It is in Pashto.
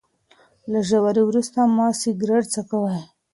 له روژې وروسته مه سګریټ څکوئ.